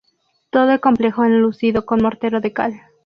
Todo el complejo enlucido con mortero de cal.